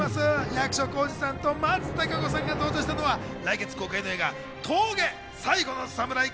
役所広司さんと松たか子さんが登場したのは来月公開の映画『峠最後のサムライ』